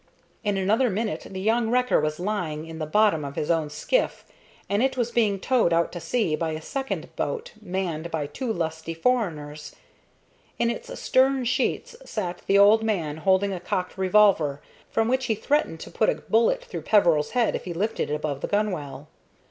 In another minute the young wrecker was lying in the bottom of his own skiff, and it was being towed out to sea by a second boat manned by two lusty foreigners. In its stern sheets sat the old man holding a cocked revolver, from which he threatened to put a bullet through Peveril's head if he lifted it above the gunwale.